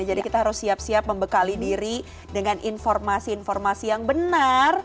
jadi kita harus siap siap membekali diri dengan informasi informasi yang benar